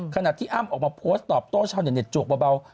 ขณะที่อ้ามออกมาโพสต์ตอบโต้เช่าจวกเบา